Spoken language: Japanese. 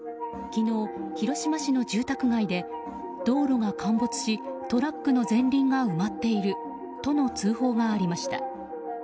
昨日、広島市の住宅街で道路が陥没しトラックの前輪が埋まっているとの通報がありました。